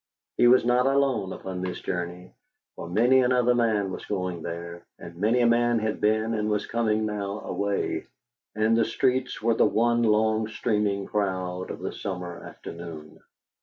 He was not alone upon this journey, for many another man was going there, and many a man had been and was coming now away, and the streets were the one long streaming crowd of the summer afternoon.